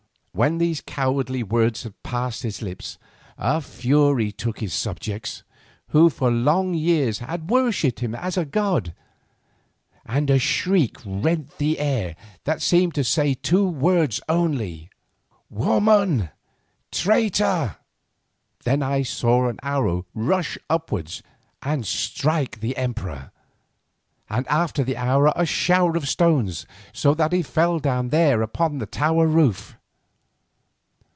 When these cowardly words had passed his lips, a fury took his subjects, who for long years had worshipped him as a god, and a shriek rent the air that seemed to say two words only: "Woman! Traitor!" Then I saw an arrow rush upwards and strike the emperor, and after the arrow a shower of stones, so that he fell down there upon the tower roof.